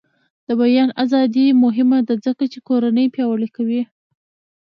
د بیان ازادي مهمه ده ځکه چې کورنۍ پیاوړې کوي.